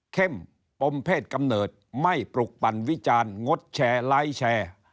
ปมเพศกำเนิดไม่ปลุกปั่นวิจารณ์งดแชร์ไลค์แชร์